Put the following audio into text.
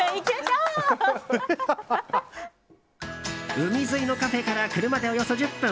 海沿いのカフェから車でおよそ１０分。